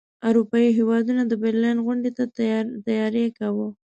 اروپايي هیوادونو د برلین غونډې ته تیاری کاوه.